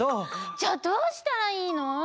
じゃあどうしたらいいの？